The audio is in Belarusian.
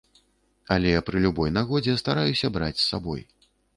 Але пры любой нагодзе стараюся браць з сабой.